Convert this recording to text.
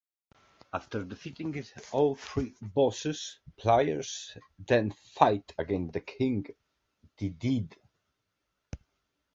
After defeating all three bosses, players then fight against King Dedede.